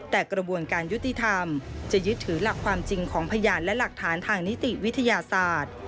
แต่กระบวนการยุติธรรมจะยึดถือหลักความจริงของพยานและหลักฐานทางนิติวิทยาศาสตร์